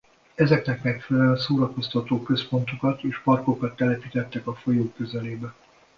Ezeknek megfelelően szórakoztató központokat és parkokat telepítettek a folyó közelébe.